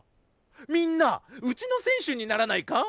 みんなうちの選手にならないか？